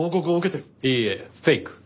いいえフェイク。